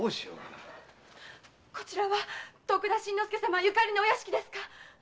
こちらは徳田新之助様縁のお屋敷ですか？